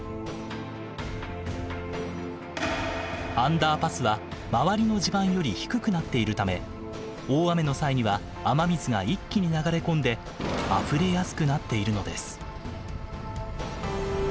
アンダーパスは周りの地盤より低くなっているため大雨の際には雨水が一気に流れ込んであふれやすくなっているのです。